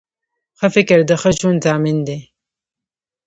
ښه فکر د ښه ژوند ضامن دی